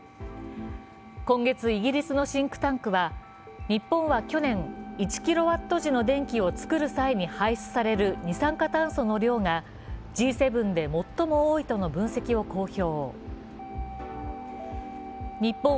今月、イギリスのシンクタンクは日本は去年、１ｋＷの電気を作る際に排出される二酸化炭素の量がＧ７で最も多いとの分析を公表。